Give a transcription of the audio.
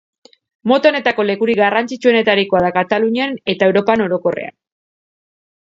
Mota honetako lekurik garrantzitsuenetarikoa da Katalunian eta Europan orokorrean.